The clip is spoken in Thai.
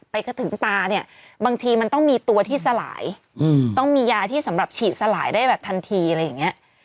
ไปถึงตาเนี่ยบางทีมันต้องมีตัวที่สลายต้องมียาที่สำหรับฉีดสลายได้แบบทันทีอะไรอย่างนี้